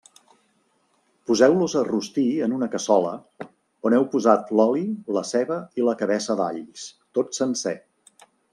Poseu-los a rostir en una cassola, on heu posat l'oli, la ceba i la cabeça d'alls, tot sencer.